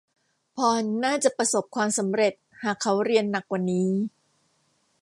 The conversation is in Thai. พอลน่าจะประสบความสำเร็จหากเขาเรียนหนักกว่านี้